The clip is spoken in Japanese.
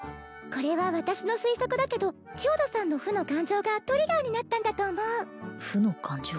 これは私の推測だけど千代田さんの負の感情がトリガーになったんだと思う負の感情